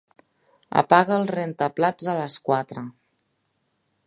Apaga el rentaplats a les quatre.